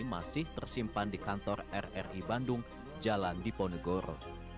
masih tersimpan di kantor rri bandung jalan diponegoro